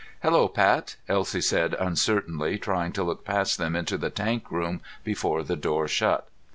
"Hello, Pat," Elsie said uncertainly, trying to look past them into the tank room before the door shut.